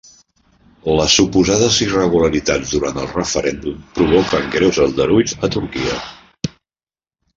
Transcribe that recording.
Les suposades irregularitats durant el referèndum provoquen greus aldarulls a Turquia